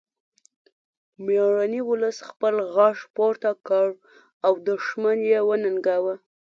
میړني ولس خپل غږ پورته کړ او دښمن یې وننګاوه